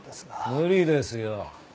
無理ですよ。